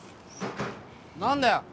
何だよ？